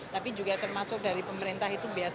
tapi juga termasuk dari pemerintah itu biasanya